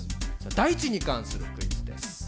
大馳に関するクイズです。